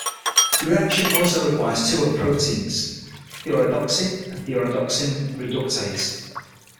The reaction also requires two other proteins: thioredoxin and thioredoxin reductase.